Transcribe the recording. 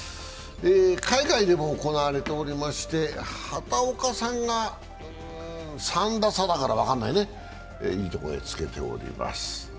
海外でも行われておりまして、畑岡さんが３打差だから分かんないね、いいところへつけております。